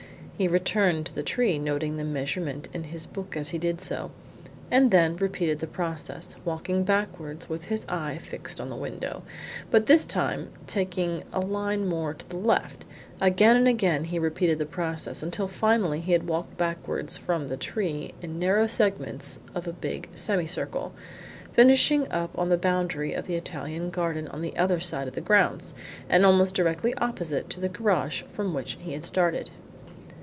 He returned to the tree, noting the measurement in his book as he did so, and then repeated the process, walking backwards with his eye fixed on the window, but this time taking a line more to the left. Again and again he repeated the process, until finally he had walked backwards from the tree in narrow segments of a big semicircle, finishing up on the boundary of the Italian garden on the other side of the grounds, and almost directly opposite to the garage from which he had started.